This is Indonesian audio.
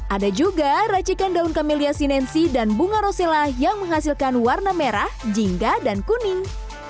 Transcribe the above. ada juga racikan daun camelia sinensi dan bunga rosela yang menghasilkan warna merah jingga dan kuning